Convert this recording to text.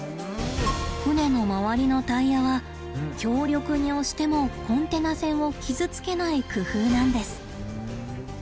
船の周りのタイヤは強力に押してもコンテナ船を傷つけない工夫なんです。